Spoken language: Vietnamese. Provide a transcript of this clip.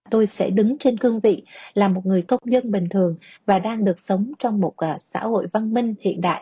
tôi sẽ đứng trên cương vị là một người công dân bình thường và đang được sống trong một xã hội văn minh hiện đại